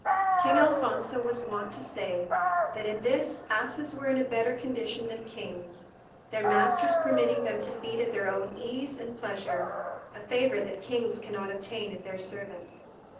King Alfonso was wont to say, that in this asses were in a better condition than kings, their masters permitting them to feed at their own ease and pleasure, a favour that kings cannot obtain of their servants.